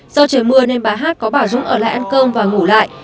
do trời mưa nên bà hát có bà dũng ở lại ăn cơm và ngủ lại